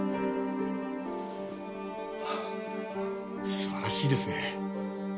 素晴らしいですね。